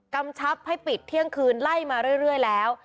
กำชับให้ปิดเที่ยงคืนไล่มาเรื่อยแล้ว